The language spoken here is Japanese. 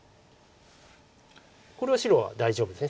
これは白は大丈夫です。